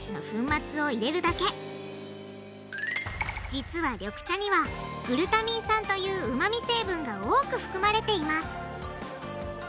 実は緑茶にはグルタミン酸といううまみ成分が多く含まれています。